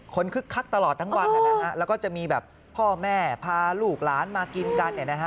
คนคึกคักตลอดทั้งวันแล้วก็จะมีแบบพ่อแม่พาลูกร้านมากินกันเนี่ยนะฮะ